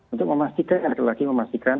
untuk memastikan yang terlalu lagi memastikan